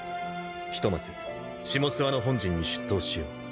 ひとまず下諏訪の本陣に出頭しよう。